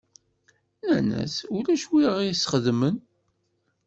Nnan-as: Ulac win i ɣ-isxedmen.